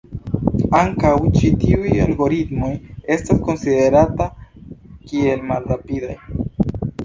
Ankaŭ ĉi tiuj algoritmoj estas konsiderataj kiel malrapidaj.